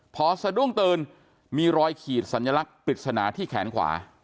พอสะดุ้งตื่นมีรอยขีดสัญลักษณ์ปริศนาที่แขนขวา